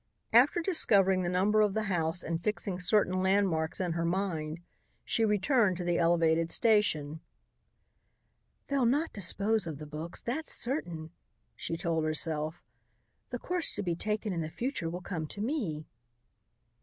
After discovering the number of the house and fixing certain landmarks in her mind, she returned to the elevated station. "They'll not dispose of the books, that's certain," she told herself. "The course to be taken in the future will come to me."